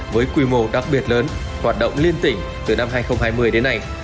với quy mô đặc biệt lớn hoạt động liên tỉnh từ năm hai nghìn hai mươi đến nay